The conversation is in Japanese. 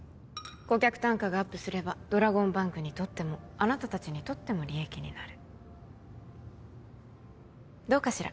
顧客単価がアップすればドラゴンバンクにとってもあなた達にとっても利益になるどうかしら？